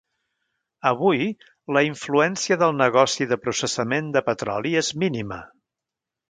Avui, la influència del negoci de processament de petroli és mínima.